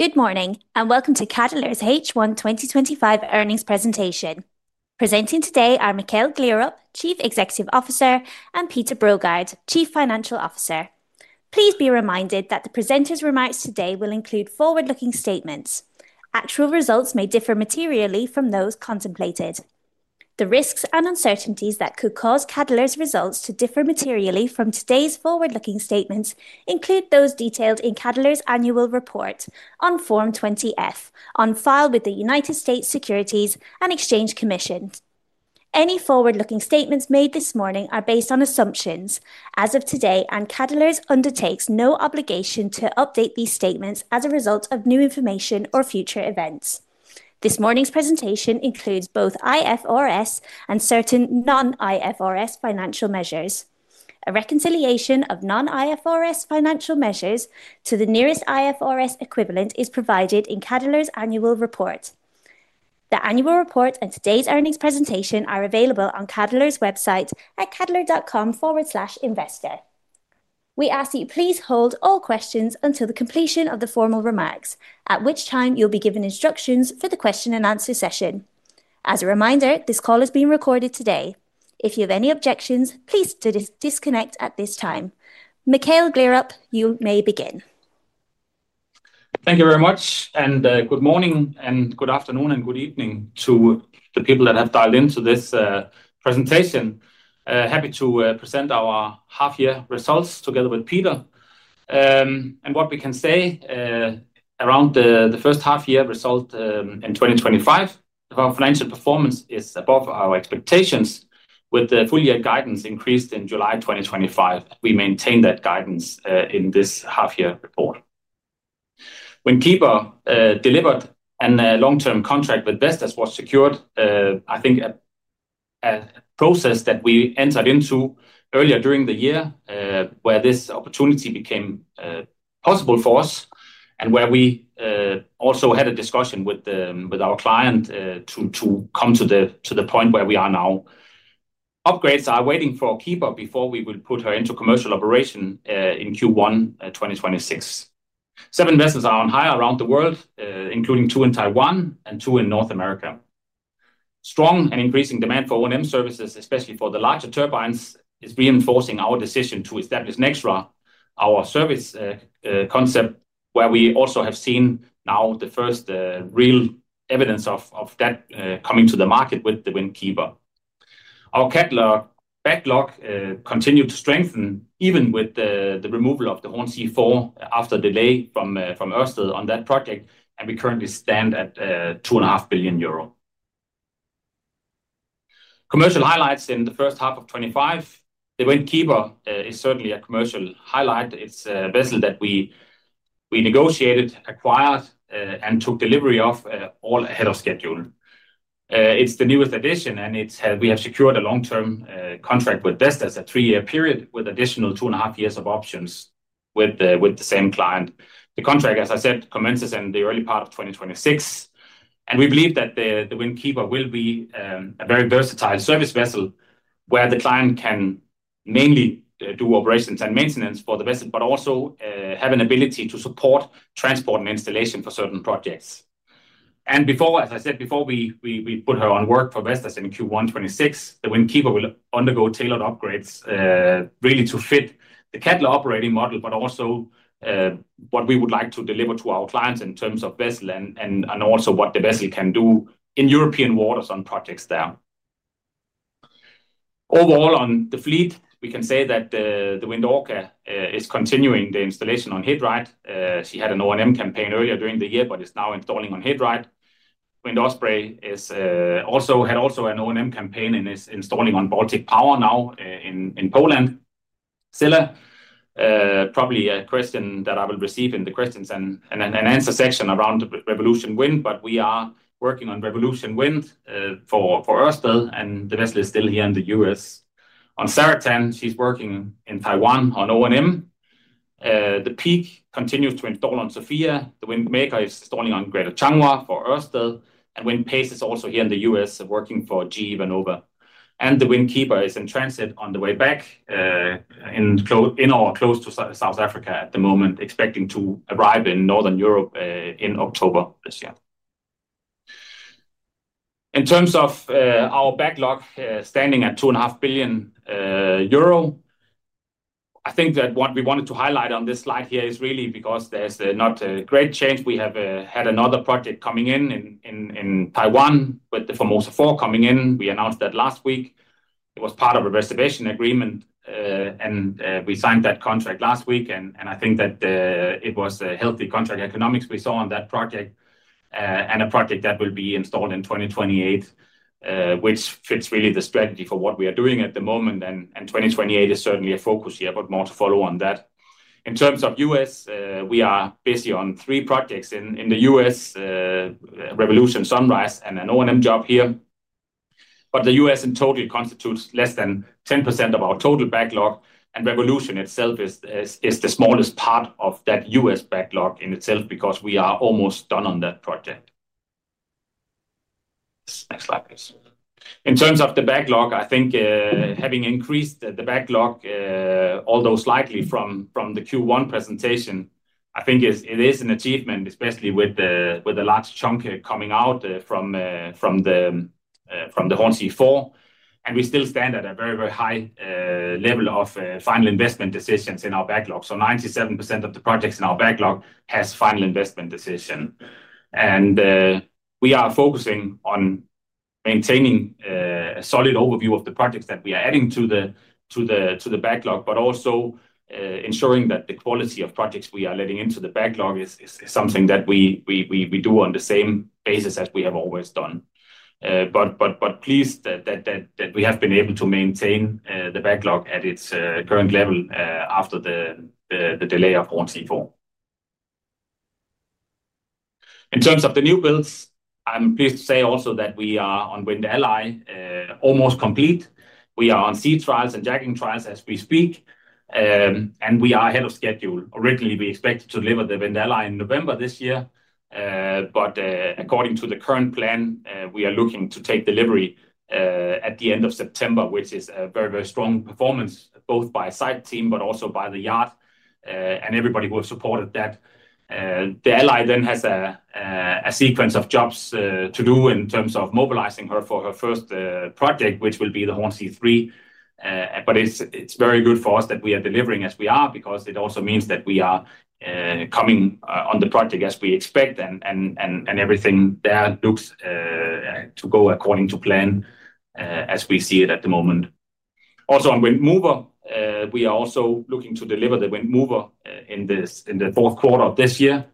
Good morning and welcome to Cadeler's H1 2025 Earnings Presentation. Presenting today are Mikkel Gleerup, Chief Executive Officer, and Peter Brogaard, Chief Financial Officer. Please be reminded that the presenters' remarks today will include forward-looking statements. Actual results may differ materially from those contemplated. The risks and uncertainties that could cause Cadeler's results to differ materially from today's forward-looking statements include those detailed in Cadeler's annual report on Form 20-F, on file with the United States Securities and Exchange Commission. Any forward-looking statements made this morning are based on assumptions, as of today, and Cadeler undertakes no obligation to update these statements as a result of new information or future events. This morning's presentation includes both IFRS and certain non-IFRS financial measures. A reconciliation of non-IFRS financial measures to the nearest IFRS equivalent is provided in Cadeler's annual report. The annual report and today's earnings presentation are available on Cadeler's website at cadeler.com/investor. We ask that you please hold all questions until the completion of the formal remarks, at which time you will be given instructions for the question-and-answer session. As a reminder, this call is being recorded today. If you have any objections, please disconnect at this time. Mikkel Gleerup, you may begin. Thank you very much, and good morning, and good afternoon, and good evening to the people that have dialed into this presentation. Happy to present our half-year results together with Peter. What we can say around the first half-year result in 2025, our financial performance is above our expectations with the full-year guidance increased in July 2025. We maintain that guidance in this half-year report. When Peter delivered, a long-term contract with Vestas was secured, I think a process that we entered into earlier during the year where this opportunity became possible for us and where we also had a discussion with our client to come to the point where we are now. Upgrades are waiting for Keeper before we will put her into commercial operation in Q1 2026. Seven investors are on hire around the world, including two in Taiwan and two in North America. Strong and increasing demand for O&M services, especially for the larger turbines, is reinforcing our decision to establish Nextra, our service concept, where we also have seen now the first real evidence of that coming to the market with the Wind Keeper. Our Cadeler backlog continued to strengthen even with the removal of the Hornsea 4 after delay from Ørsted on that project, and we currently stand at 2.5 billion euro. Commercial highlights in the first half of 2025. The Wind Keeper is certainly a commercial highlight. It's a vessel that we negotiated, acquired, and took delivery of all ahead of schedule. It's the newest addition, and we have secured a long-term contract with Vestas for a three-year period with additional two and a half years of options with the same client. The contract, as I said, commences in the early part of 2026, and we believe that the Wind Keeper will be a very versatile service vessel where the client can mainly do operations and maintenance for the vessel, but also have an ability to support transport and installation for certain projects. As I said, before we put her on work for Vestas in Q1 2026, the Wind Keeper will undergo tailored upgrades really to fit the Cadeler operating model, but also what we would like to deliver to our clients in terms of vessel and also what the vessel can do in European waters on projects there. Overall, on the fleet, we can say that the Wind Orca is continuing the installation on [Hidrid]. She had an O&M campaign earlier during the year, but is now installing on [Hidrid]. Wind Osprey had also an O&M campaign and is installing on Baltic Power now in Poland. Still, probably a question that I will receive in the question and answer section around the Revolution Wind, but we are working on Revolution Wind for Ørsted, and the vessel is still here in the U.S. On Saratan, she's working in Taiwan on O&M. The Peak continues to install on Sophia. The Wind Maker is installing on Greater Changhua for Ørsted, and Wind Pace is also here in the U.S. working for GE Vernova. The Wind Keeper is in transit on the way back in or close to South Africa at the moment, expecting to arrive in Northern Europe in October this year. In terms of our backlog standing at 2.5 billion euro, I think that what we wanted to highlight on this slide here is really because there's not a great change. We have had another project coming in in Taiwan with the Formosa IV coming in. We announced that last week. It was part of a reservation agreement, and we signed that contract last week, and I think that it was a healthy contract economics we saw on that project, and a project that will be installed in 2028, which fits really the strategy for what we are doing at the moment, and 2028 is certainly a focus here, but more to follow on that. In terms of U.S., we are busy on three projects in the U.S.: Revolution, Sunrise, and an O&M job here. The U.S. in total constitutes less than 10% of our total backlog, and Revolution itself is the smallest part of that U.S. backlog in itself because we are almost done on that project. Next slide, please. In terms of the backlog, I think having increased the backlog, although slightly from the Q1 presentation, I think it is an achievement, especially with a large chunk coming out from the Hornsea 4, and we still stand at a very, very high level of final investment decisions in our backlog. 97% of the projects in our backlog have final investment decisions. We are focusing on maintaining a solid overview of the projects that we are adding to the backlog, but also ensuring that the quality of projects we are letting into the backlog is something that we do on the same basis as we have always done. Pleased that we have been able to maintain the backlog at its current level after the delay of Hornsea 4. In terms of the new builds, I'm pleased to say also that we are on Wind Ally almost complete. We are on sea trials and jacking trials as we speak, and we are ahead of schedule. Originally, we expected to deliver the Wind Ally in November this year, but according to the current plan, we are looking to take delivery at the end of September, which is a very, very strong performance both by a site team, but also by the yard, and everybody who has supported that. The Ally then has a sequence of jobs to do in terms of mobilizing her for her first project, which will be the Hornsea 3. It is very good for us that we are delivering as we are because it also means that we are coming on the project as we expect, and everything there looks to go according to plan as we see it at the moment. Also, on Wind Mover, we are also looking to deliver the Wind Mover in the fourth quarter of this year.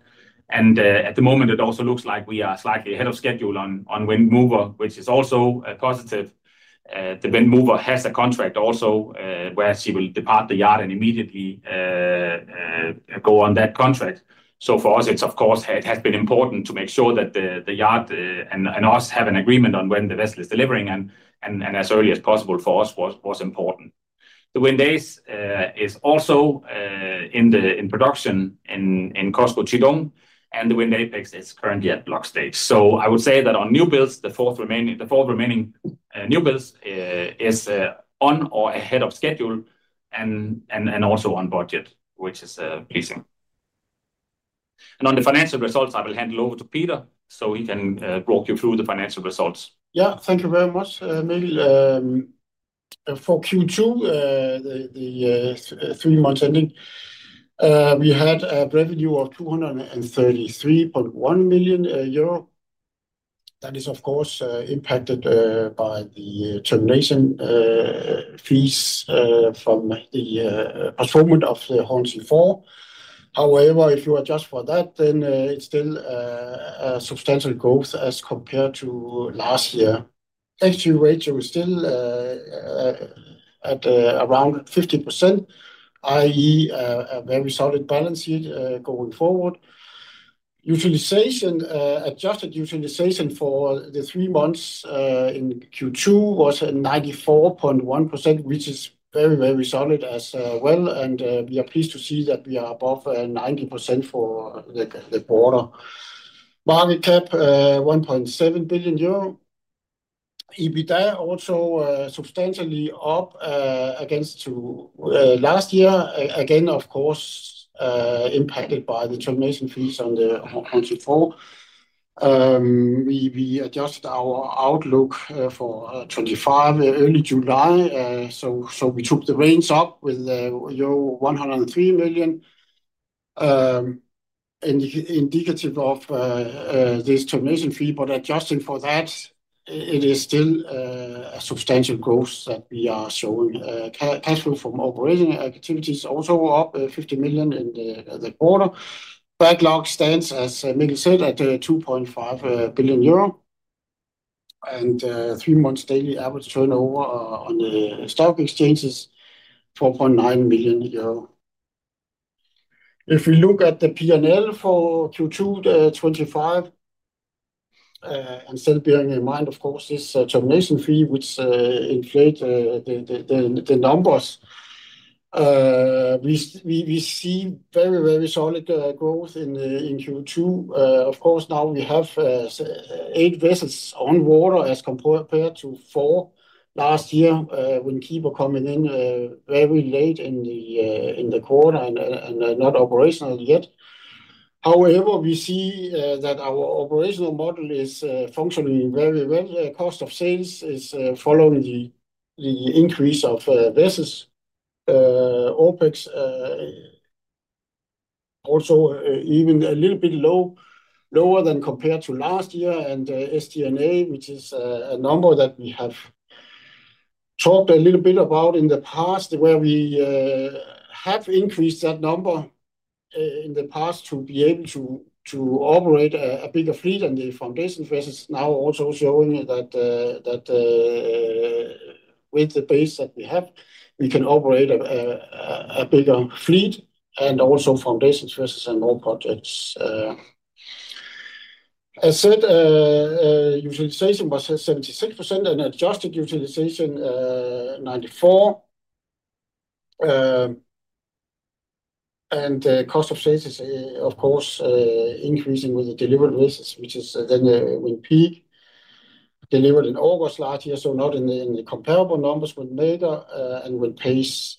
At the moment, it also looks like we are slightly ahead of schedule on Wind Mover, which is also a positive. The Wind Mover has a contract also where she will depart the yard and immediately go on that contract. For us, it has been important to make sure that the yard and us have an agreement on when the vessel is delivering, and as early as possible for us was important. The Wind Ace is also in production in COSCO Qidong, and the Wind Apex is currently at block stage. I would say that on new builds, the four remaining new builds are on or ahead of schedule and also on budget, which is pleasing. On the financial results, I will hand it over to Peter so he can walk you through the financial results. Yeah, thank you very much. Maybe for Q2, the three months ending, we had a revenue of 233.1 million euro. That is, of course, impacted by the termination fees from the affirmment of Hornsea 4. However, if you adjust for that, then it's still a substantial growth as compared to last year. Extreme rates are still at around 50%, i.e., a very solid balance sheet going forward. Utilization, adjusted utilization for the three months in Q2 was 94.1%, which is very, very solid as well. We are pleased to see that we are above 90% for the quarter. Market cap 1.7 billion euro. EBITDA also substantially up against last year. Again, of course, impacted by the termination fees on the Hornsea 4. We adjusted our outlook for 2025, early July. We took the reins up with euro 103 million, indicative of this termination fee. Adjusting for that, it is still a substantial growth that we are showing. Cash flow from operating activities also were up 50 million in the quarter. Backlog stands, as Mikkel said, at 2.5 billion euro. Three months daily average turnover on the stock exchanges, 4.9 million euro. If we look at the P&L for Q2 2025, and still bearing in mind, of course, this termination fee, which inflates the numbers, we see very, very solid growth in Q2. Now we have eight vessels on water as compared to four last year. Wind Keeper coming in very late in the quarter and not operational yet. However, we see that our operational model is functioning very well. Cost of sales is following the increase of vessels. OpEx also even a little bit lower than compared to last year. SDNA, which is a number that we have talked a little bit about in the past, where we have increased that number in the past to be able to operate a bigger fleet. The foundations vessels now also showing that with the base that we have, we can operate a bigger fleet and also foundations vessels and more projects. Utilization was 76% and adjusted utilization 94%. The cost of sales, of course, increasing with the delivered vessels, which is then when Peak delivered in August last year. Not in the comparable numbers with Nextra and with Pace.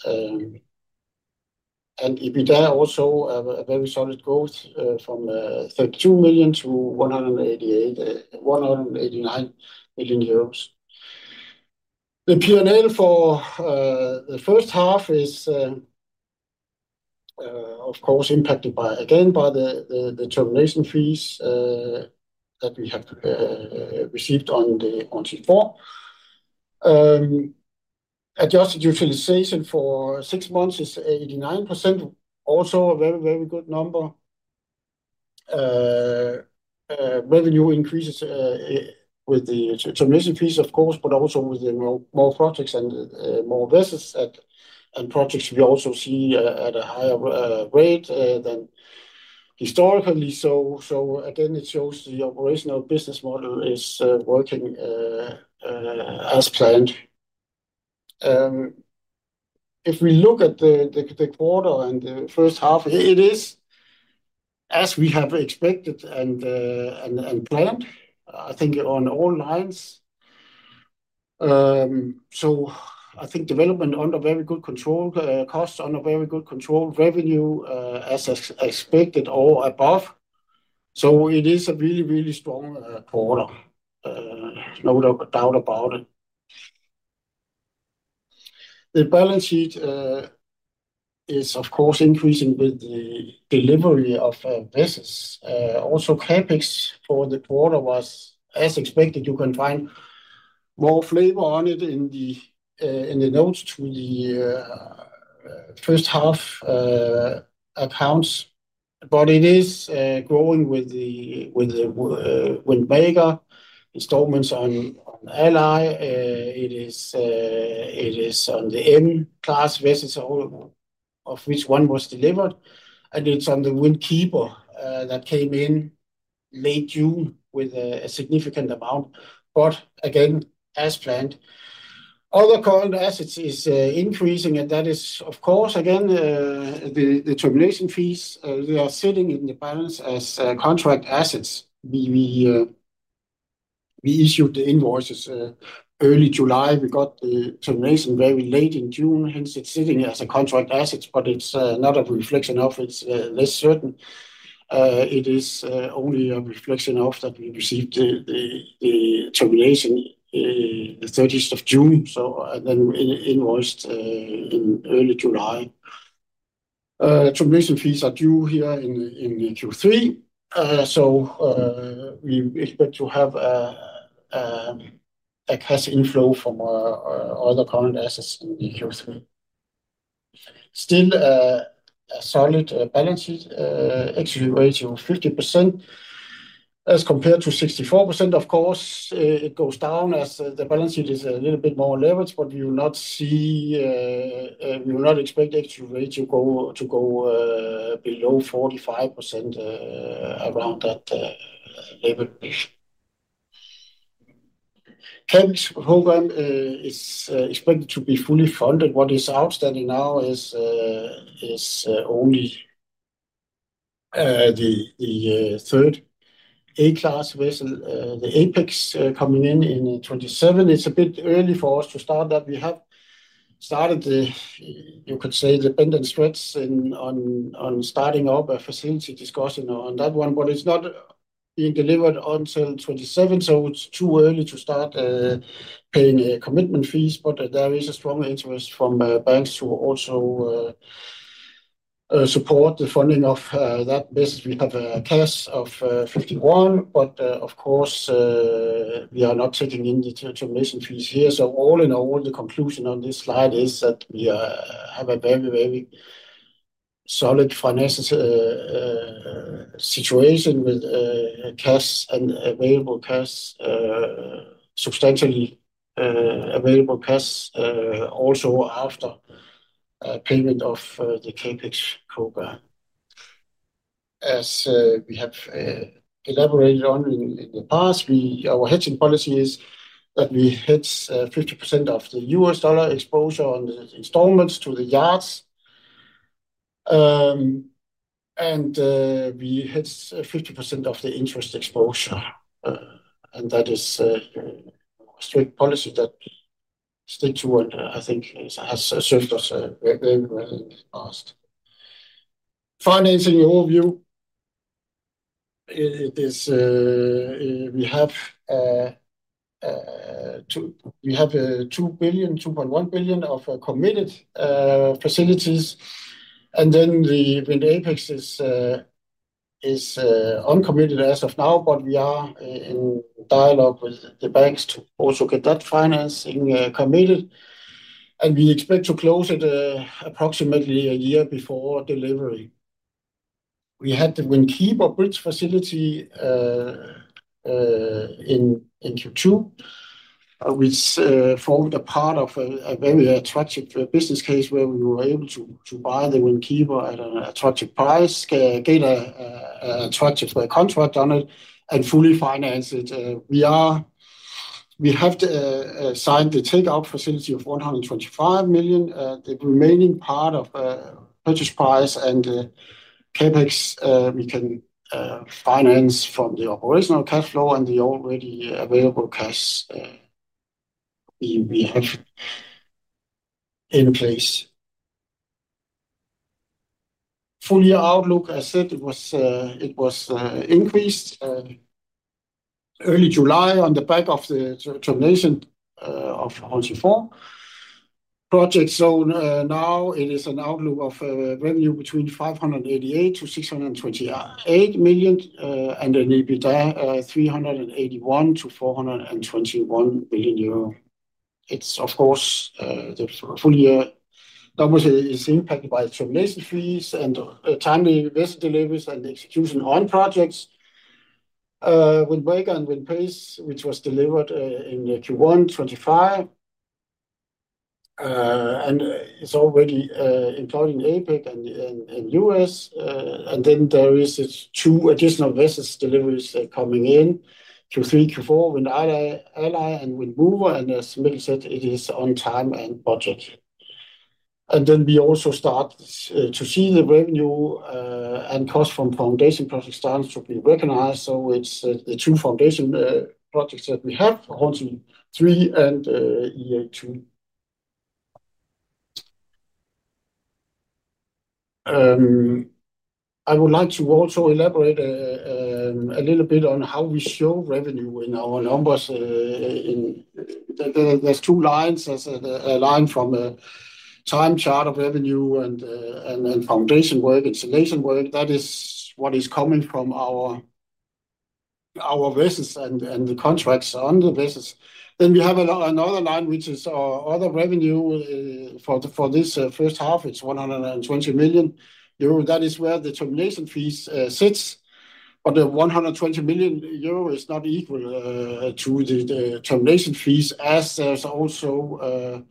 EBITDA also a very solid growth from 32 million to 189 million euros. The P&L for the first half is, of course, impacted again by the termination fees that we have received on the Hornsea 4. Adjusted utilization for six months is 89%, also a very, very good number. Revenue increases with the termination fees, of course, but also with the more projects and more vessels. Projects we also see at a higher rate than historically. It shows the operational business model is working as planned. If we look at the quarter and the first half, it is as we have expected and planned, I think on all lines. Development under very good control, costs under very good control, revenue as expected or above. It is a really, really strong quarter. No doubt about it. The balance sheet is, of course, increasing with the delivery of vessels. CapEx for the quarter was as expected. You can find more flavor on it in the notes to the first half accounts. It is growing with the Wind Mover, installments on Wind Ally. It is on the M-class vessels of which one was delivered. It's on the Wind Keeper that came in late June with a significant amount, but again, as planned. Other current assets are increasing, and that is, of course, again, the termination fees. They are sitting in the balance as contract assets. We issued the invoices early July. We got the termination very late in June. Hence, it's sitting as a contract asset, but it's not a reflection of it. It's less certain. It is only a reflection of that we received the termination the 30th of June, so then invoiced in early July. Termination fees are due here in Q3. We expect to have a cash inflow from other current assets in Q3. Still a solid balance sheet. Extreme rates are 50% as compared to 64%. Of course, it goes down as the balance sheet is a little bit more leveraged, but we will not see, we will not expect the extreme rate to go below 45% around that leverage. [Thanks Hogan] is expected to be fully funded. What is outstanding now is only the third A-class vessel, the Apex, coming in in the 2027. It's a bit early for us to start that. We have started, you could say, the pending threats on starting up a facility discussion on that one, but it's not being delivered until 2027. It's too early to start paying commitment fees, but there is a strong interest from banks to also support the funding of that business. We have a cash of 51 million, but of course, we are not taking in the termination fees here. All in all, the conclusion on this slide is that we have a very, very solid financial situation with cash and available cash, substantially available cash also after payment of the CapEx program. As we have elaborated on in the past, our hedging policy is that we hedge 50% of the U.S. dollar exposure on the installments to the yards. We hedge 50% of the interest exposure. That is a strict policy that we stick to, and I think it has served us very well in the past. Financing overview, we have 2 billion, 2.1 billion of committed facilities. The Wind Apex is uncommitted as of now, but we are in dialogue with the banks to also get that financing committed. We expect to close it approximately a year before delivery. We had the Wind Keeper bridge facility in Q2, which formed a part of a very attractive business case where we were able to buy the Wind Keeper at an attractive price, get an attractive contract on it, and fully finance it. We have signed the takeout facility of 125 million. The remaining part of purchase price and CapEx, we can finance from the operational cash flow and the already available cash we have in place. Four-year outlook, as I said, it was increased early July on the back of the termination of Hornsea 4. Project zone now, it is an outlook of revenue between 588 million to 628 million and an EBITDA 381 million to 421 million euro. It's, of course, the full year. That was impacted by termination fees and timely vessel deliveries and execution on projects. Wind Maker and Wind Pace, which was delivered in Q1 2025. It's already entering Apex and U.S. There are two additional vessel deliveries coming in Q3, Q4, with Wind Ally and Wind Mover. As Mikkel said, it is on time and budget. We also start to see the revenue and cost from foundation project starts to be recognized. It's the two foundation projects that we have, Hornsea 3 and EA2. I would like to also elaborate a little bit on how we show revenue in our numbers. There's two lines. There's a line from a time charter of revenue and foundation work, installation work. That is what is coming from our vessels and the contracts on the vessels. We have another line, which is other revenue for this first half. It's 120 million euro. That is where the termination fees sit. The 120 million euro is not equal to the termination fees as there's also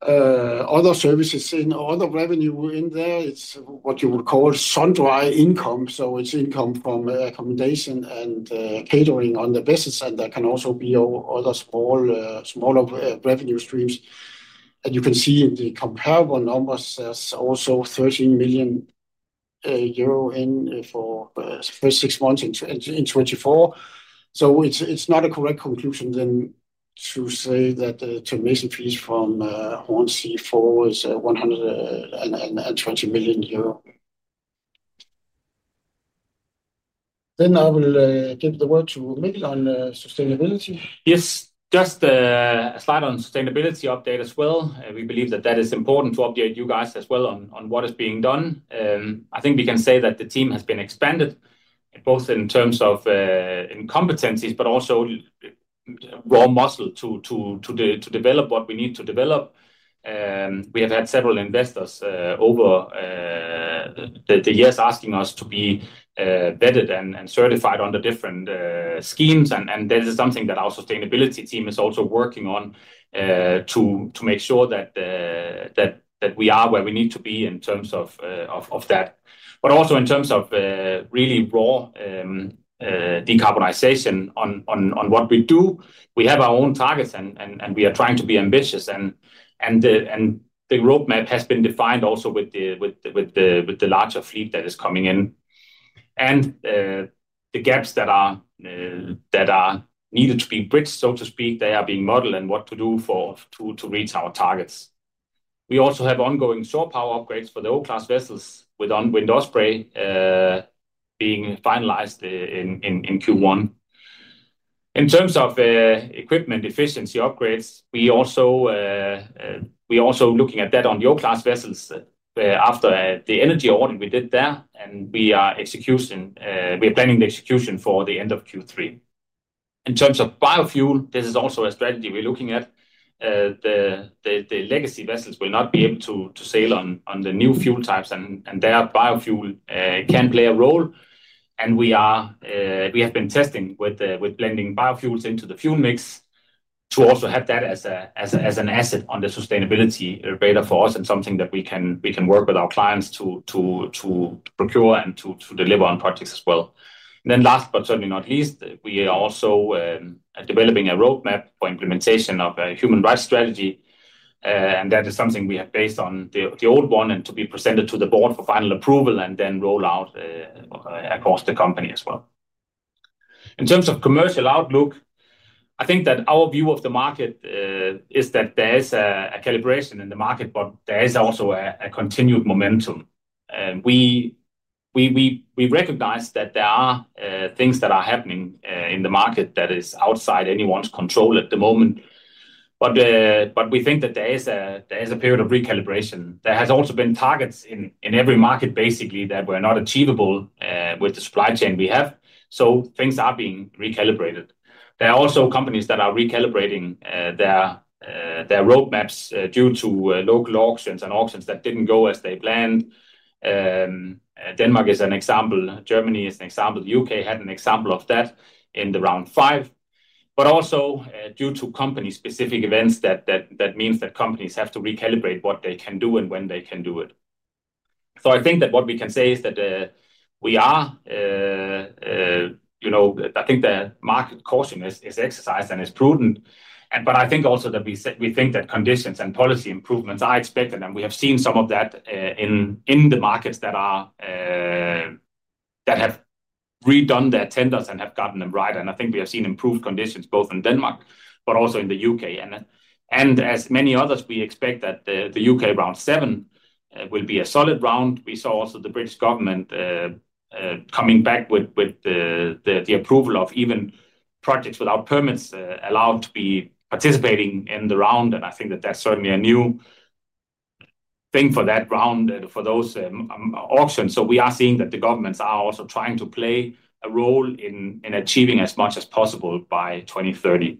other services in other revenue in there. It's what you would call sundry income. It's income from accommodation and catering on the vessels. There can also be other smaller revenue streams. You can see in the comparable numbers, there's also 13 million euro in for the first six months in 2024. It's not a correct conclusion to say that the termination fees from Hornsea 4 is EUR 120 million. I will give the word to Mikkel on sustainability. Yes, just to start on sustainability update as well. We believe that that is important to update you guys as well on what is being done. I think we can say that the team has been expanded both in terms of competencies, but also raw muscle to develop what we need to develop. We have had several investors over the years asking us to be vetted and certified under different schemes. That is something that our sustainability team is also working on to make sure that we are where we need to be in terms of that, but also in terms of really raw decarbonization on what we do. We have our own targets, and we are trying to be ambitious. The roadmap has been defined also with the larger fleet that is coming in, and the gaps that are needed to be bridged, so to speak, they are being modeled and what to do to reach our targets. We also have ongoing shore power upgrades for the O-class vessels with Wind Osprey being finalized in Q1. In terms of equipment efficiency upgrades, we are also looking at that on the O-class vessels after the energy audit we did there, and we are planning the execution for the end of Q3. In terms of biofuel, this is also a strategy we're looking at. The legacy vessels will not be able to sail on the new fuel types, and their biofuel can play a role. We have been testing with blending biofuels into the fuel mix to also have that as an asset on the sustainability radar for us and something that we can work with our clients to procure and to deliver on projects as well. Last but certainly not least, we are also developing a roadmap for implementation of a human rights strategy. That is something we have based on the old one and to be presented to the board for final approval and then roll out across the company as well. In terms of commercial outlook, I think that our view of the market is that there is a calibration in the market, but there is also a continued momentum. We recognize that there are things that are happening in the market that are outside anyone's control at the moment. We think that there is a period of recalibration. There have also been targets in every market, basically, that were not achievable with the supply chain we have, so things are being recalibrated. There are also companies that are recalibrating their roadmaps due to local auctions and auctions that didn't go as they planned. Denmark is an example. Germany is an example. The UK had an example of that in the round five. But also due to company-specific events, that means that companies have to recalibrate what they can do and when they can do it. I think that what we can say is that we are, you know, I think the market caution is exercised and is prudent. I think also that we think that conditions and policy improvements are expected. We have seen some of that in the markets that have redone their tenders and have gotten them right. I think we have seen improved conditions both in Denmark, but also in the UK. As many others, we expect that the UK round seven will be a solid round. We saw also the British government coming back with the approval of even projects without permits allowed to be participating in the round. I think that that's certainly a new thing for that round for those auctions. We are seeing that the governments are also trying to play a role in achieving as much as possible by 2030.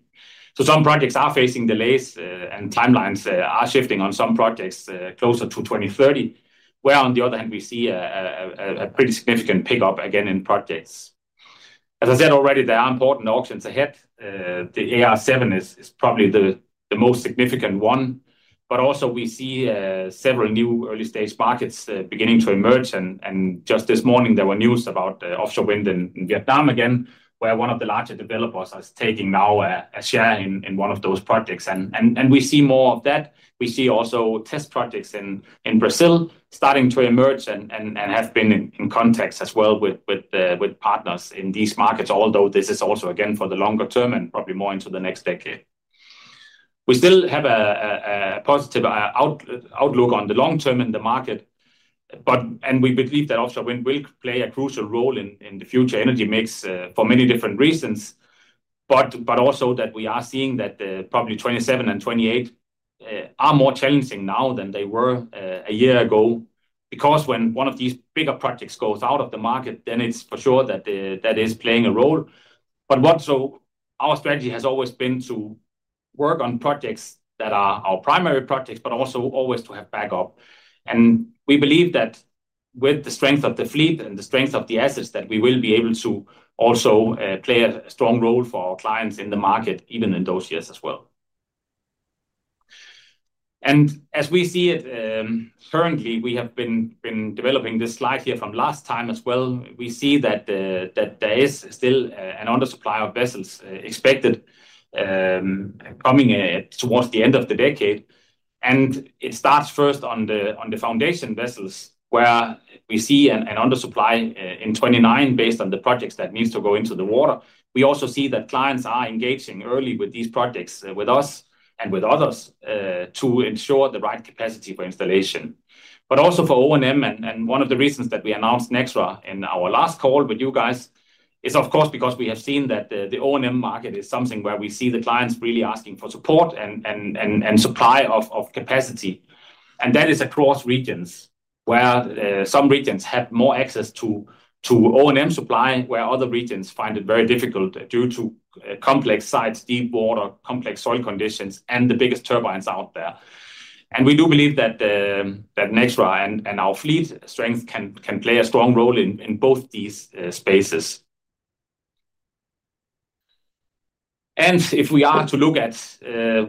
Some projects are facing delays and timelines are shifting on some projects closer to 2030, where on the other hand, we see a pretty significant pickup again in projects. As I said already, there are important auctions ahead. The AR7 is probably the most significant one. We see several new early-stage markets beginning to emerge. Just this morning, there were news about the offshore wind in Vietnam again, where one of the larger developers is taking now a share in one of those projects. We see more of that. We see also test projects in Brazil starting to emerge and have been in contact as well with partners in these markets, although this is also again for the longer term and probably more into the next decade. We still have a positive outlook on the long term in the market. We believe that offshore wind will play a crucial role in the future energy mix for many different reasons. We are seeing that probably 2027 and 2028 are more challenging now than they were a year ago because when one of these bigger projects goes out of the market, then it's for sure that that is playing a role. Our strategy has always been to work on projects that are our primary projects, but also always to have backup. We believe that with the strength of the fleet and the strength of the assets, we will be able to also play a strong role for our clients in the market, even in those years as well. As we see it currently, we have been developing this slide here from last time as well. We see that there is still an undersupply of vessels expected coming towards the end of the decade. It starts first on the foundation vessels, where we see an undersupply in 2029 based on the projects that need to go into the water. We also see that clients are engaging early with these projects with us and with others to ensure the right capacity for installation, but also for O&M. One of the reasons that we announced Nextra in our last call with you guys is, of course, because we have seen that the O&M market is something where we see the clients really asking for support and supply of capacity. That is across regions, where some regions have more access to O&M supply, where other regions find it very difficult due to complex sites, deep water, complex soil conditions, and the biggest turbines out there. We do believe that Nextra and our fleet strength can play a strong role in both these spaces. If we are to look at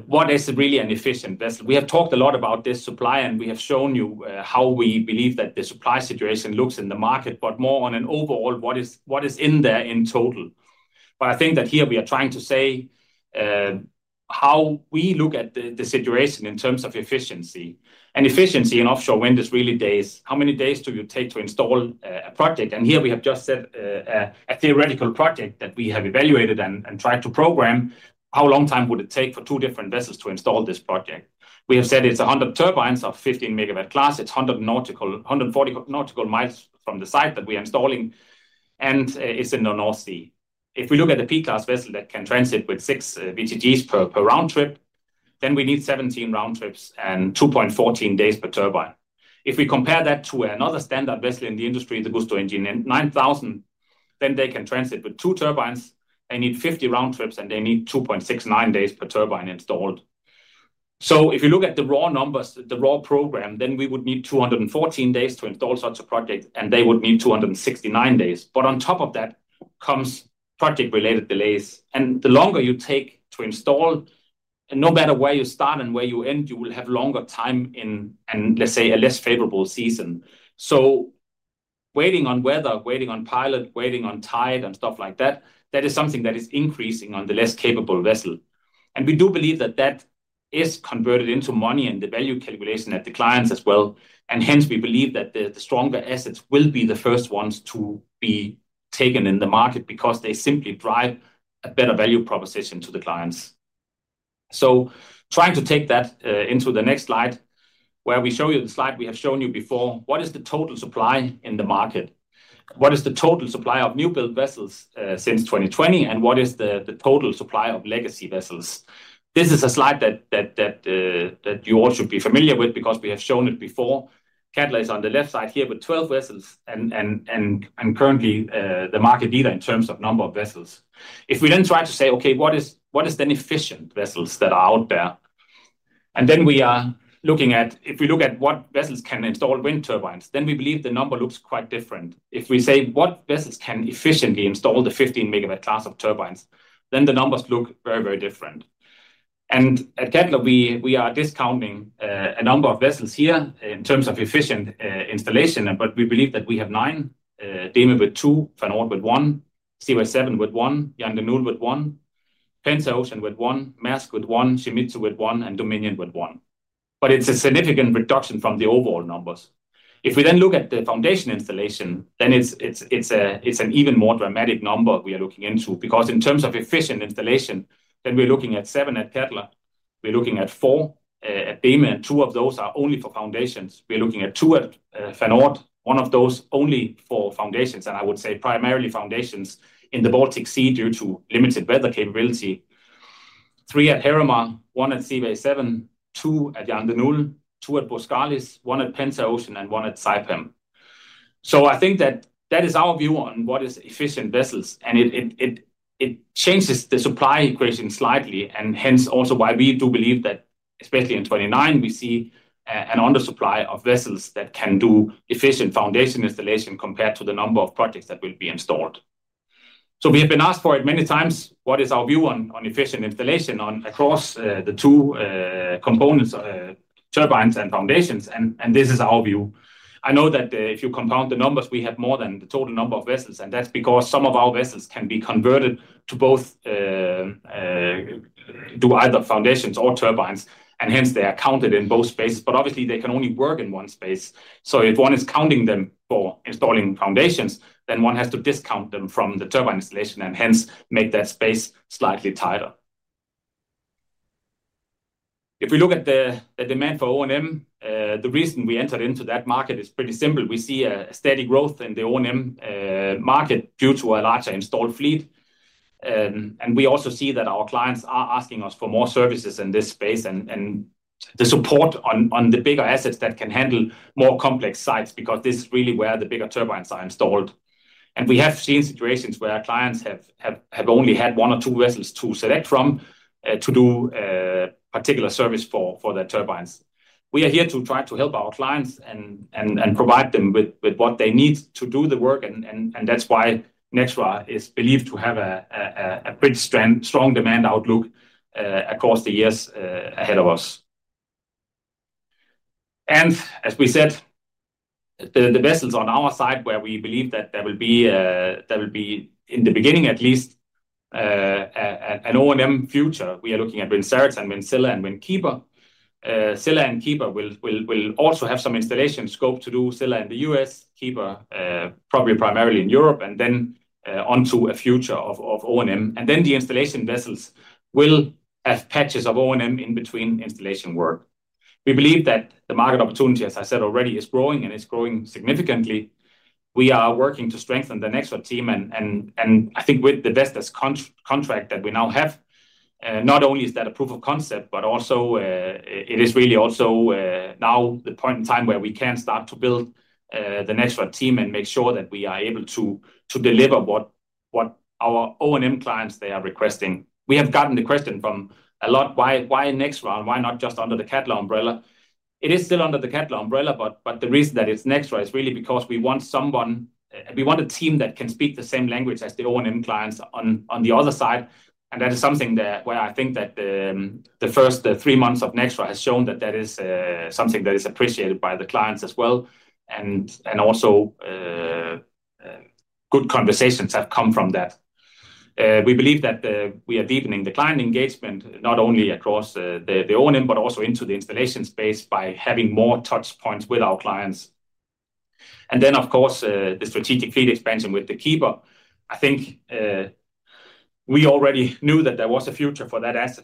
what is really an efficient vessel, we have talked a lot about this supply, and we have shown you how we believe that the supply situation looks in the market, but more on an overall what is in there in total. I think that here we are trying to say how we look at the situation in terms of efficiency. Efficiency in offshore wind is really days. How many days do you take to install a project? Here we have just said a theoretical project that we have evaluated and tried to program. How long time would it take for two different vessels to install this project? We have said it's 100 turbines of 15 MW class. It's 140 nautical miles from the site that we are installing, and it's in the North Sea. If we look at the P-class vessel that can transit with six VTGs per round trip, then we need 17 round trips and 2.14 days per turbine. If we compare that to another standard vessel in the industry, the Gusto Engine 9000, then they can transit with two turbines. They need 50 round trips, and they need 2.69 days per turbine installed. If you look at the raw numbers, the raw program, then we would need 214 days to install such a project, and they would need 269 days. On top of that comes project-related delays. The longer you take to install, and no matter where you start and where you end, you will have longer time in, let's say, a less favorable season. Waiting on weather, waiting on pilot, waiting on tide, and stuff like that, that is something that is increasing on the less capable vessel. We do believe that that is converted into money in the value calculation at the clients as well. We believe that the stronger assets will be the first ones to be taken in the market because they simply drive a better value proposition to the clients. Trying to take that into the next slide, where we show you the slide we have shown you before, what is the total supply in the market? What is the total supply of new-built vessels since 2020, and what is the total supply of legacy vessels? This is a slide that you all should be familiar with because we have shown it before. Cadeler is on the left side here with 12 vessels and currently the market leader in terms of number of vessels. If we then try to say, okay, what is the efficient vessels that are out there? If we look at what vessels can install wind turbines, then we believe the number looks quite different. If we say what vessels can efficiently install the 15 MW class of turbines, then the numbers look very, very different. At Cadeler we are discounting a number of vessels here in terms of efficient installation, but we believe that we have nine: DEME with two, Fred. Olsen Windcarrier with one, Seaway 7 with one, Jan De Nul with one, Penta-Ocean with one, Maersk with one, Shimizu with one, and Dominion with one. It is a significant reduction from the overall numbers. If we then look at the foundation installation, then it's an even more dramatic number we are looking into because in terms of efficient installation, then we're looking at seven at Cadeler. We're looking at four at DEME, and two of those are only for foundations. We're looking at two at Fred. Olsen Windcarrier, one of those only for foundations, and I would say primarily foundations in the Baltic Sea due to limited weather capability. Three at Heerema, one at Seaway 7, two at Jan De Nul, two at Boskalis, one at Penta-Ocean, and one at Saipem. I think that that is our view on what is efficient vessels, and it changes the supply equation slightly. We do believe that especially in 2029, we see an undersupply of vessels that can do efficient foundation installation compared to the number of projects that will be installed. We have been asked for it many times. What is our view on efficient installation across the two components, turbines and foundations? This is our view. I know that if you compound the numbers, we have more than the total number of vessels, and that's because some of our vessels can be converted to both do either foundations or turbines, and hence they are counted in both spaces. Obviously, they can only work in one space. If one is counting them for installing foundations, then one has to discount them from the turbine installation and make that space slightly tighter. If we look at the demand for O&M, the reason we entered into that market is pretty simple. We see a steady growth in the O&M market due to a larger installed fleet. We also see that our clients are asking us for more services in this space and the support on the bigger assets that can handle more complex sites because this is really where the bigger turbines are installed. We have seen situations where our clients have only had one or two vessels to select from to do a particular service for their turbines. We are here to try to help our clients and provide them with what they need to do the work. That's why Nextra is believed to have a pretty strong demand outlook across the years ahead of us. As we said, the vessels on our side where we believe that there will be, in the beginning at least, an O&M future. We are looking at Wind Search and Wind Scylla and Wind Keeper. Scylla and Keeper will also have some installation scope to do. Scylla in the U.S., Keeper probably primarily in Europe, and then onto a future of O&M. The installation vessels will have patches of O&M in between installation work. We believe that the market opportunity, as I said already, is growing and is growing significantly. We are working to strengthen the Nextra team. I think with the Vestas contract that we now have, not only is that a proof of concept, but also it is really also now the point in time where we can start to build the Nextra team and make sure that we are able to deliver what our O&M clients they are requesting. We have gotten the question from a lot, why Nextra and why not just under the Cadeler umbrella? It is still under the Cadeler umbrella, but the reason that it's Nextra is really because we want someone, we want a team that can speak the same language as the O&M clients on the other side. That is something where I think that the first three months of Nextra has shown that that is something that is appreciated by the clients as well. Also, good conversations have come from that. We believe that we are deepening the client engagement not only across the O&M, but also into the installation space by having more touch points with our clients. Of course, the strategic fleet expansion with the Wind Keeper. I think we already knew that there was a future for that as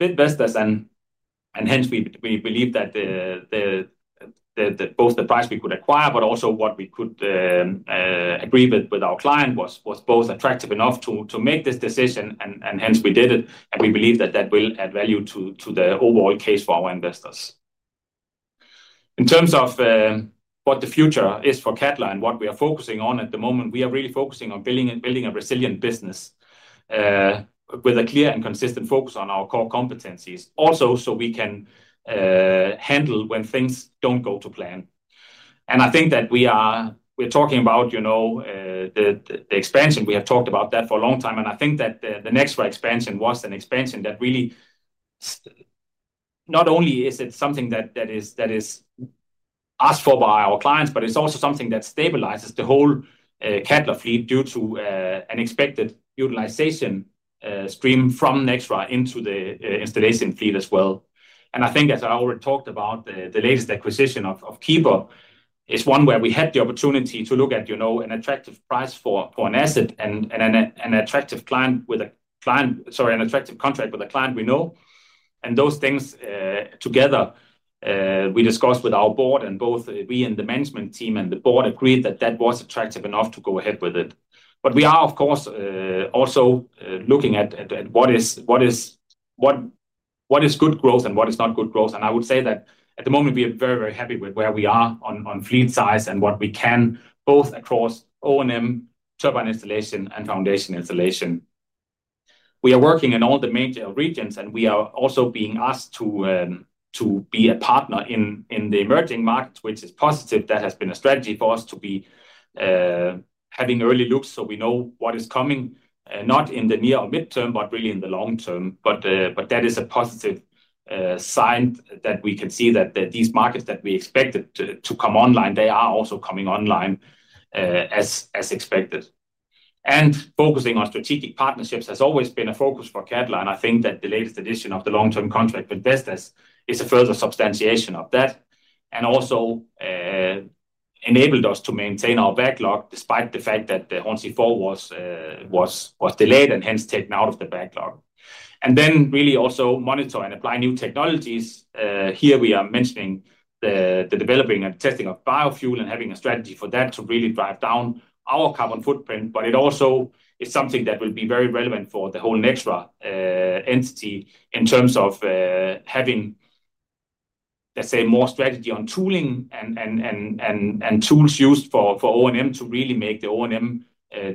investors. We believe that both the price we could acquire, but also what we could agree with our client, was both attractive enough to make this decision. We did it, and we believe that will add value to the overall case for our investors. In terms of what the future is for Cadeler and what we are focusing on at the moment, we are really focusing on building a resilient business with a clear and consistent focus on our core competencies, also so we can handle when things don't go to plan. I think that we are talking about the expansion. We have talked about that for a long time, and I think that the Nextra expansion was an expansion that really not only is it something that is asked for by our clients, but it's also something that stabilizes the whole Cadeler fleet due to an expected utilization stream from Nextra into the installation fleet as well. As I already talked about, the latest acquisition of Wind Keeper is one where we had the opportunity to look at an attractive price for an asset and an attractive contract with a client we know. Those things together, we discussed with our board, and both we and the management team and the board agreed that that was attractive enough to go ahead with it. We are, of course, also looking at what is good growth and what is not good growth. I would say that at the moment, we are very, very happy with where we are on fleet size and what we can do both across O&M, turbine installation, and foundation installation. We are working in all the major regions, and we are also being asked to be a partner in the emerging market, which is positive. That has been a strategy for us to be having early looks so we know what is coming, not in the near or mid-term, but really in the long term. That is a positive sign that we can see that these markets that we expected to come online, they are also coming online as expected. Focusing on strategic partnerships has always been a focus for Cadeler. I think that the latest edition of the long-term contract with Vestas is a further substantiation of that and also enabled us to maintain our backlog despite the fact that the Hornsea 4 was delayed and hence taken out of the backlog. We really also monitor and apply new technologies. Here we are mentioning the developing and testing of biofuel and having a strategy for that to really drive down our carbon footprint. It also is something that will be very relevant for the whole Nextra entity in terms of having, let's say, more strategy on tooling and tools used for O&M to really make the O&M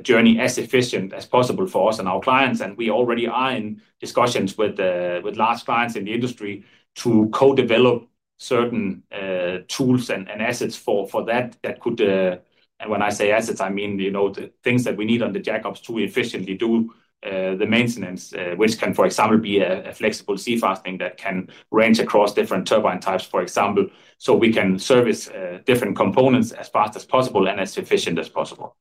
journey as efficient as possible for us and our clients. We already are in discussions with large clients in the industry to co-develop certain tools and assets for that. That could, and when I say assets, I mean the things that we need on the jack-ups to efficiently do the maintenance, which can, for example, be a flexible sea fastening that can range across different turbine types, for example, so we can service different components as fast as possible and as efficient as possible.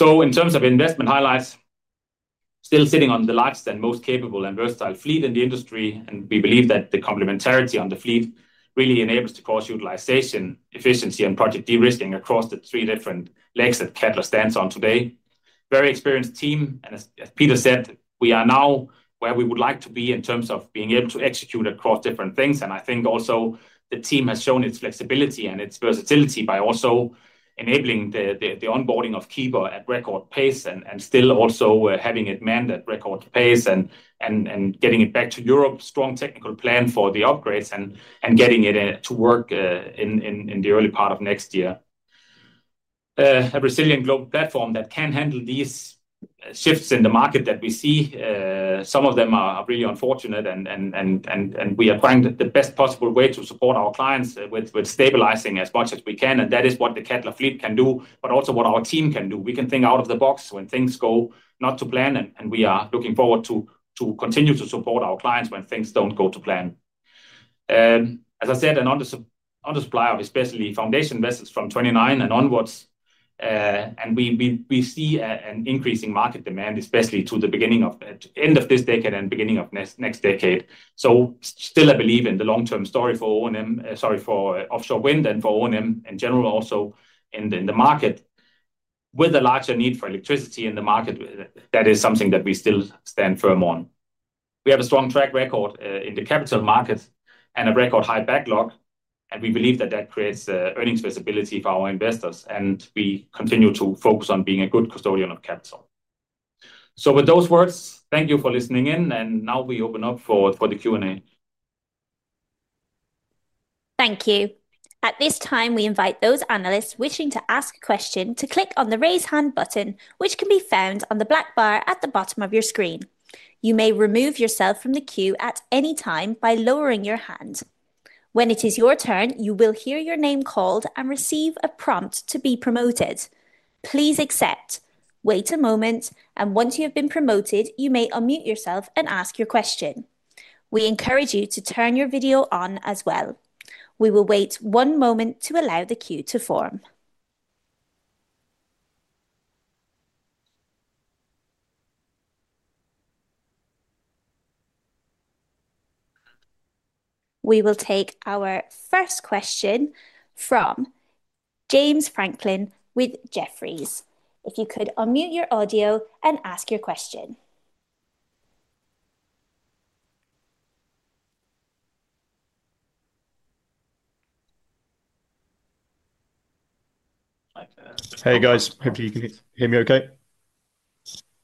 In terms of investment highlights, still sitting on the largest and most capable and versatile fleet in the industry, we believe that the complementarity on the fleet really enables the cost utilization, efficiency, and project de-risking across the three different legs that Cadeler stands on today. Very experienced team, and as Peter said, we are now where we would like to be in terms of being able to execute across different things. I think also the team has shown its flexibility and its versatility by also enabling the onboarding of Keeper at record pace and still also having it manned at record pace and getting it back to Europe, strong technical plan for the upgrades and getting it to work in the early part of next year. A resilient global platform that can handle these shifts in the market that we see. Some of them are really unfortunate, and we are trying the best possible way to support our clients with stabilizing as much as we can. That is what the Cadeler fleet can do, but also what our team can do. We can think out of the box when things go not to plan, and we are looking forward to continue to support our clients when things don't go to plan. As I said, an undersupply of especially foundation vessels from 2029 and onwards, and we see an increasing market demand, especially to the beginning of the end of this decade and beginning of next decade. I believe in the long-term story for offshore wind and for O&M in general, also in the market with a larger need for electricity in the market. That is something that we still stand firm on. We have a strong track record in the capital markets and a record high backlog, and we believe that that creates earnings visibility for our investors, and we continue to focus on being a good custodian of capital. With those words, thank you for listening in, and now we open up for the Q&A. Thank you. At this time, we invite those analysts wishing to ask a question to click on the raise hand button, which can be found on the black bar at the bottom of your screen. You may remove yourself from the queue at any time by lowering your hand. When it is your turn, you will hear your name called and receive a prompt to be promoted. Please accept, wait a moment, and once you have been promoted, you may unmute yourself and ask your question. We encourage you to turn your video on as well. We will wait one moment to allow the queue to form. We will take our first question from James Franklin with Jefferies. If you could unmute your audio and ask your question. Hey guys, hope you can hear me okay.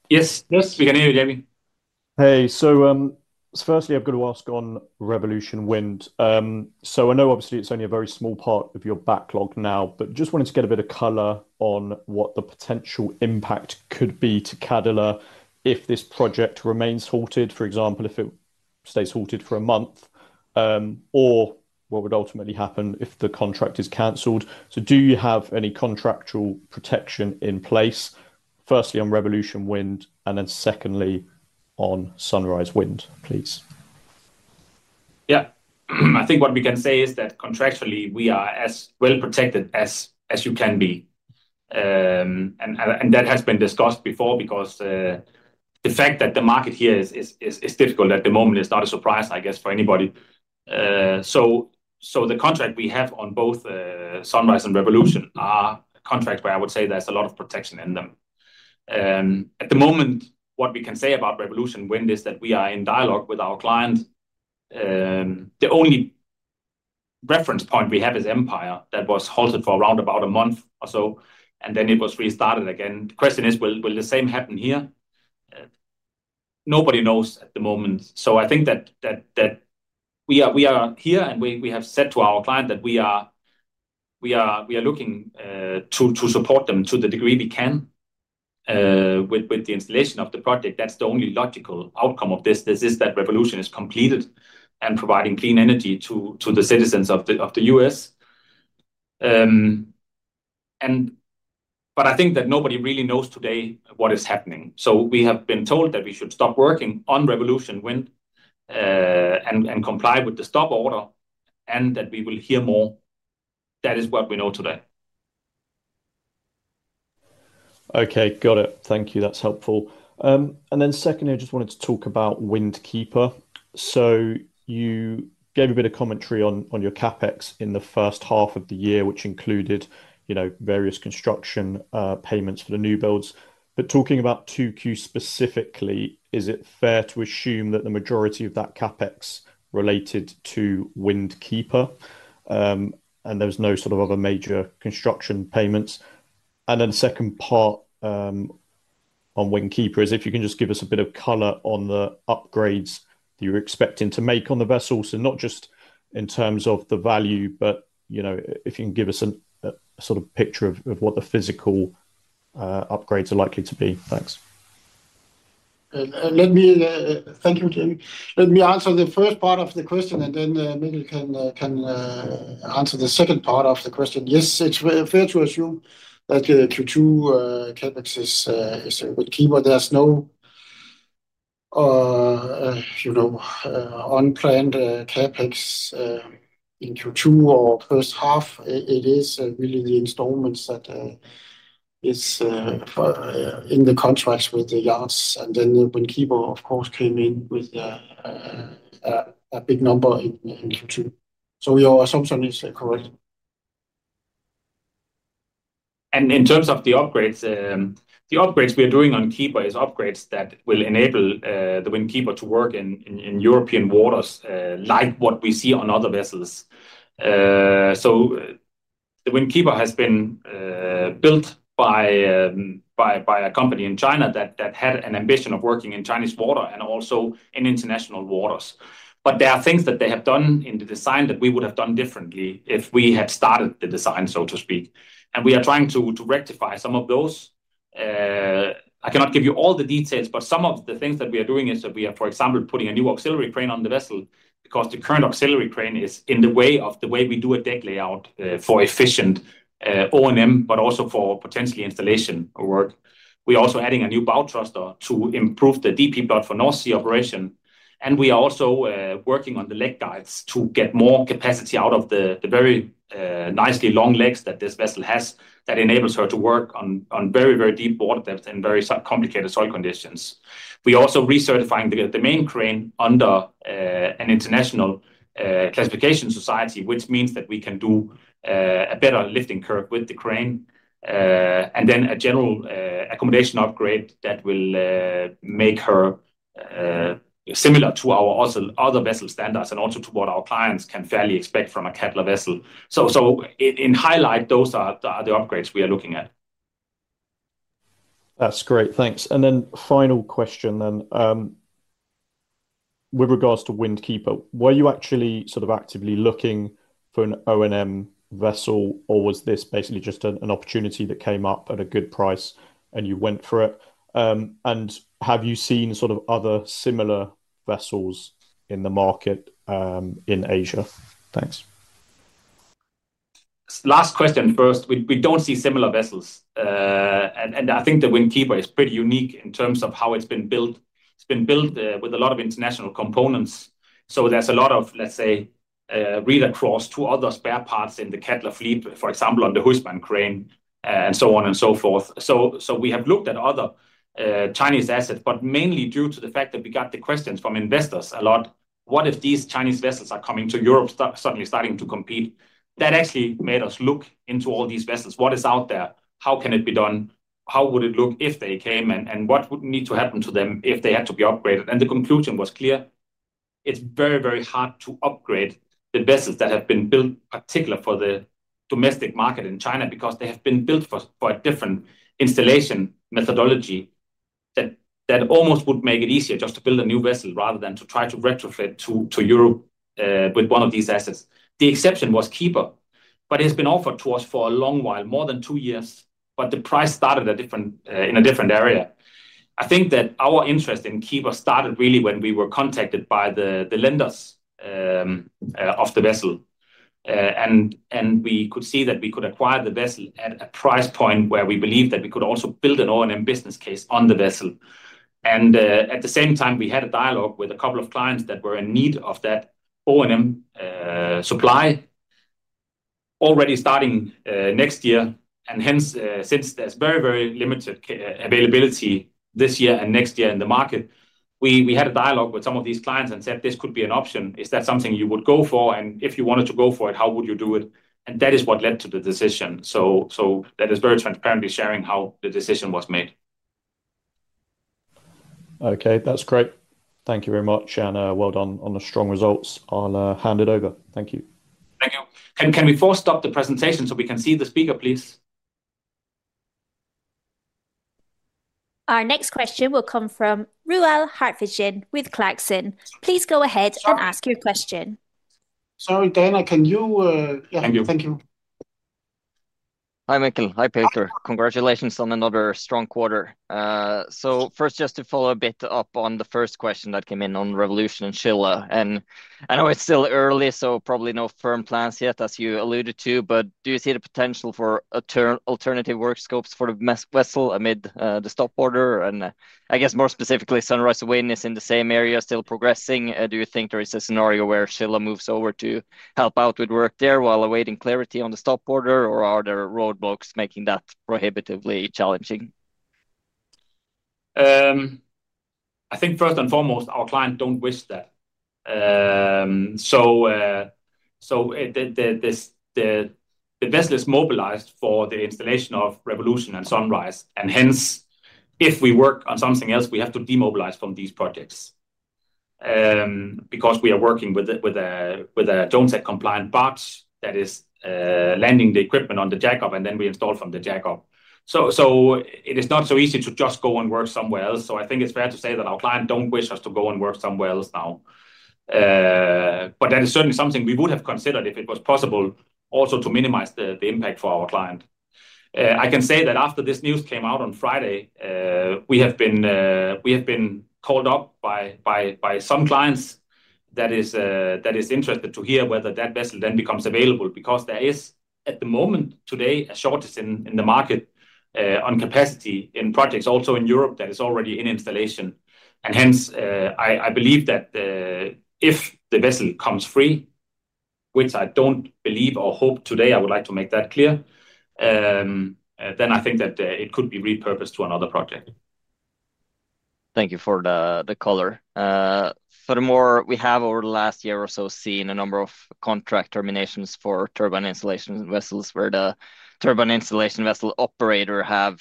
Yes, yes, we can hear you, Jamie. Hey, firstly I've got to ask on Revolution Wind. I know obviously it's only a very small part of your backlog now, but just wanted to get a bit of color on what the potential impact could be to Cadeler if this project remains halted, for example, if it stays halted for a month, or what would ultimately happen if the contract is canceled. Do you have any contractual protections in place, firstly on Revolution Wind, and then secondly on Sunrise Wind, please. Yep. I think what we can say is that contractually we are as well protected as you can be. That has been discussed before because the fact that the market here is difficult at the moment is not a surprise, I guess, for anybody. The contract we have on both Sunrise and Revolution are contracts where I would say there's a lot of protection in them. At the moment, what we can say about Revolution Wind is that we are in dialogue with our client. The only reference point we have is Empire that was halted for around about a month or so, and then it was restarted again. The question is, will the same happen here? Nobody knows at the moment. I think that we are here, and we have said to our client that we are looking to support them to the degree we can with the installation of the project. That's the only logical outcome of this. This is that Revolution is completed and providing clean energy to the citizens of the U.S. I think that nobody really knows today what is happening. We have been told that we should stop working on Revolution Wind and comply with the stop order and that we will hear more. That is what we know today. Okay, got it. Thank you. That's helpful. Secondly, I just wanted to talk about Wind Keeper. You gave a bit of commentary on your CapEx in the first half of the year, which included various construction payments for the new builds. Talking about 2Q specifically, is it fair to assume that the majority of that CapEx related to Wind Keeper and there's no sort of other major construction payments? The second part on Wind Keeper is if you can just give us a bit of color on the upgrades that you're expecting to make on the vessels, not just in terms of the value, but if you can give us a sort of picture of what the physical upgrades are likely to be. Thanks. Thank you, Jamie. Let me answer the first part of the question, and then maybe you can answer the second part of the question. Yes, it's fair to assume that Q2 CapEx is with Keeper. There's no unplanned CapEx in Q2 or first half. It is really the installments that are in the contracts with the yards. Wind Keeper, of course, came in with a big number in Q2. Your assumption is correct. In terms of the upgrades, the upgrades we are doing on Keeper are upgrades that will enable the Wind Keeper to work in European waters like what we see on other vessels. The Wind Keeper has been built by a company in China that had an ambition of working in Chinese water and also in international waters. There are things that they have done in the design that we would have done differently if we had started the design, so to speak. We are trying to rectify some of those. I cannot give you all the details, but some of the things that we are doing is that we are, for example, putting a new auxiliary crane on the vessel because the current auxiliary crane is in the way of the way we do a deck layout for efficient O&M, but also for potentially installation work. We are also adding a new bow thruster to improve the DP plot for North Sea operation. We are also working on the leg guides to get more capacity out of the very nicely long legs that this vessel has that enables her to work on very, very deep water depths and very complicated soil conditions. We are also recertifying the main crane under an international classification society, which means that we can do a better lifting curve with the crane. A general accommodation upgrade will make her similar to our other vessel standards and also to what our clients can fairly expect from a Cadeler vessel. In highlight, those are the upgrades we are looking at. That's great. Thanks. Final question then. With regards to Wind Keeper, were you actually sort of actively looking for an O&M vessel, or was this basically just an opportunity that came up at a good price and you went for it? Have you seen sort of other similar vessels in the market in Asia? Thanks. Last question first. We don't see similar vessels. I think the Wind Keeper is pretty unique in terms of how it's been built. It's been built with a lot of international components, so there's a lot of, let's say, read across to other spare parts in the Cadeler fleet, for example, on the Huisman crane and so on and so forth. We have looked at other Chinese assets, but mainly due to the fact that we got the questions from investors a lot. What if these Chinese vessels are coming to Europe, suddenly starting to compete? That actually made us look into all these vessels. What is out there? How can it be done? How would it look if they came? What would need to happen to them if they had to be upgraded? The conclusion was clear. It's very, very hard to upgrade the vessels that have been built particularly for the domestic market in China because they have been built for a different installation methodology that almost would make it easier just to build a new vessel rather than to try to retrofit to Europe with one of these assets. The exception was Keeper, but it has been offered to us for a long while, more than two years, but the price started in a different area. I think that our interest in Keeper started really when we were contacted by the lenders of the vessel, and we could see that we could acquire the vessel at a price point where we believe that we could also build an O&M business case on the vessel. At the same time, we had a dialogue with a couple of clients that were in need of that O&M supply already starting next year. Since there's very, very limited availability this year and next year in the market, we had a dialogue with some of these clients and said, "This could be an option. Is that something you would go for? If you wanted to go for it, how would you do it?" That is what led to the decision. That is very transparently sharing how the decision was made. Okay, that's great. Thank you very much. Well done on the strong results. I'll hand it over. Thank you. Thank you. Can we force stop the presentation so we can see the speaker, please? Our next question will come from Roald Hartvigsen with Clarksons. Please go ahead and ask your question. Sorry, Dana, can you? Thank you. Thank you. Hi, Mikkel. Hi, Peter. Congratulations on another strong quarter. First, just to follow up a bit on the first question that came in on Revolution and Scylla. I know it's still early, so probably no firm plans yet, as you alluded to, but do you see the potential for alternative work scopes for the [MESQ] vessel amid the stop order? I guess more specifically, Sunrise Wind is in the same area is still progressing. Do you think there is a scenario where Scylla moves over to help out with work there while awaiting clarity on the stop order, or are there roadblocks making that prohibitively challenging? I think first and foremost, our clients don't wish that. The vessel is mobilized for the installation of Revolution and Sunrise, and if we work on something else, we have to demobilize from these projects because we are working with a Jones Act compliant barge that is landing the equipment on the jack-up, and then we install from the jack-up. It is not so easy to just go and work somewhere else. I think it's fair to say that our clients don't wish us to go and work somewhere else now. That is certainly something we would have considered if it was possible also to minimize the impact for our client. I can say that after this news came out on Friday, we have been called up by some clients that are interested to hear whether that vessel then becomes available because there is at the moment today a shortage in the market on capacity in projects also in Europe that is already in installation. I believe that if the vessel comes free, which I don't believe or hope today, I would like to make that clear, it could be repurposed to another project. Thank you for the color. Furthermore, we have over the last year or so seen a number of contract terminations for turbine installation vessels where the turbine installation vessel operator has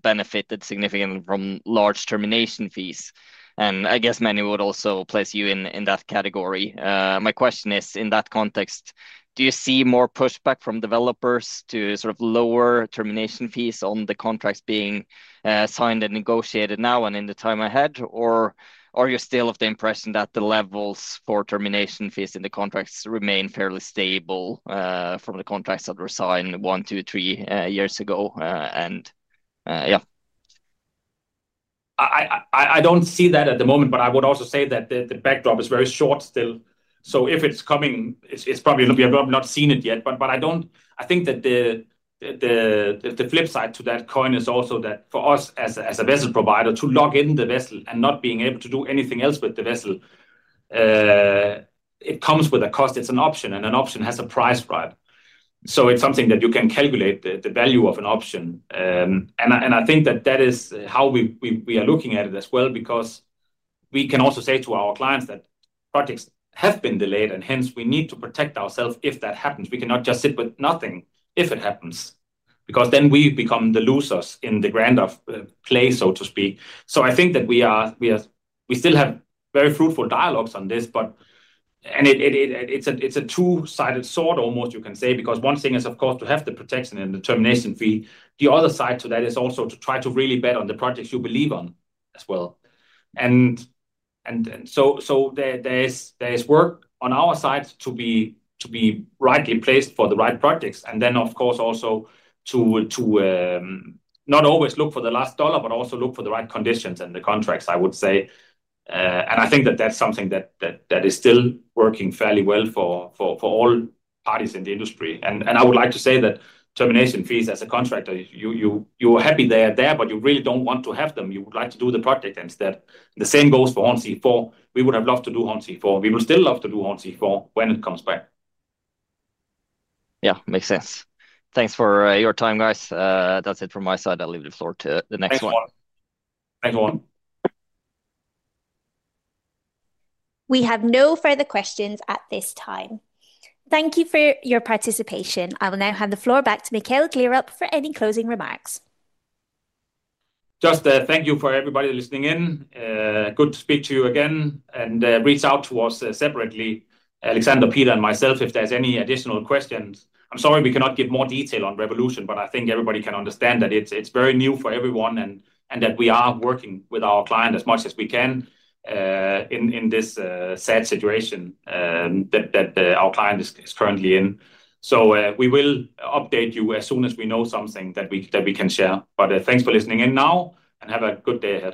benefited significantly from large termination fees. I guess many would also place you in that category. My question is, in that context, do you see more pushback from developers to sort of lower termination fees on the contracts being signed and negotiated now and in the time ahead? Are you still of the impression that the levels for termination fees in the contracts remain fairly stable from the contracts that were signed one, two, three years ago? I don't see that at the moment, but I would also say that the backdrop is very short still. If it's coming, it's probably not, we have not seen it yet. I think that the flip side to that coin is also that for us as a vessel provider, to lock in the vessel and not being able to do anything else with the vessel, it comes with a cost. It's an option, and an option has a price, right? It's something that you can calculate the value of an option. I think that that is how we are looking at it as well because we can also say to our clients that projects have been delayed, and hence we need to protect ourselves if that happens. We cannot just sit with nothing if it happens because then we become the losers in the grand play, so to speak. I think that we still have very fruitful dialogues on this, but it's a two-sided sword almost, you can say, because one thing is, of course, to have the protection and the termination fee. The other side to that is also to try to really bet on the projects you believe in as well. There is work on our side to be rightly placed for the right projects, and then, of course, also to not always look for the last dollar, but also look for the right conditions and the contracts, I would say. I think that that's something that is still working fairly well for all parties in the industry. I would like to say that termination fees as a contractor, you're happy they are there, but you really don't want to have them. You would like to do the project instead. The same goes for Hornsea 4. We would have loved to do Hornsea 4. We would still love to do Hornsea 4 when it comes back. Yeah, makes sense. Thanks for your time, guys. That's it from my side. I'll leave the floor to the next one. Thanks everyone. We have no further questions at this time. Thank you for your participation. I will now hand the floor back to Mikkel Gleerup for any closing remarks. Thank you for everybody listening in. Good to speak to you again, and reach out to us separately, Alexander, Peter, and myself if there's any additional questions. I'm sorry we cannot give more detail on Revolution, but I think everybody can understand that it's very new for everyone and that we are working with our client as much as we can in this sad situation that our client is currently in. We will update you as soon as we know something that we can share. Thanks for listening in now, and have a good day.